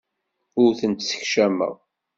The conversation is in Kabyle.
Ur tent-ssekcameɣ.